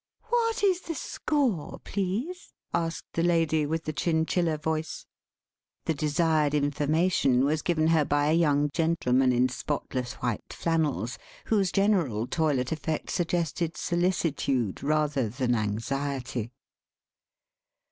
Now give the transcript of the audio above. "What is the score, please?" asked the lady with the chinchilla voice. The desired information was given her by a young gentleman in spotless white flannels, whose general toilet effect suggested solicitude rather than anxiety.